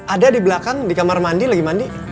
ada di belakang di kamar mandi lagi mandi